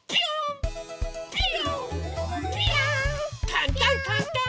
かんたんかんたん！